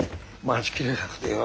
待ちきれなくてよ。